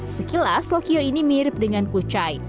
sekilas lokyo ini mirip dengan kucai